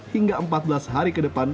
hingga empat belas hari ke depan